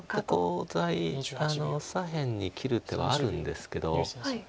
コウ材左辺に切る手はあるんですけど。